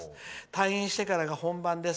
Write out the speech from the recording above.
退院してからが本番です。